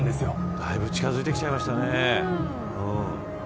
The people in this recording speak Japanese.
だいぶ近づいてきちゃいましたね。